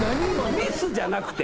ミスじゃなくて？